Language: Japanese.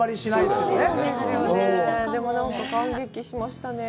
でも、何か感激しましたね。